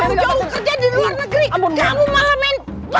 istri jauh jauh kerja di luar negeri